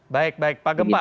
baik baik pak gemba